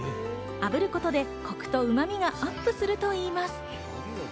炙ることでコクとうまみがアップするといいます。